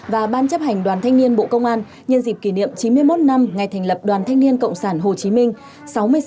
và ban chấp hành đoàn thanh niên bộ công an nhân dịp kỷ niệm chín mươi một năm ngày thành lập đoàn thanh niên cộng sản hồ chí minh